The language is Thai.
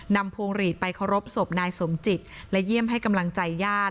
พวงหลีดไปเคารพศพนายสมจิตและเยี่ยมให้กำลังใจญาติ